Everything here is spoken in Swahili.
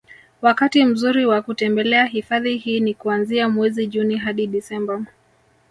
Wakati mzuri wa kutembelea hifadhi hii ni kuanzia mwezi Juni hadi Desemba